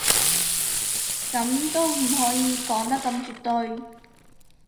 噉都唔可以講得咁絕對